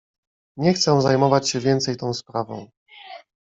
"„Nie chcę zajmować się więcej tą sprawą."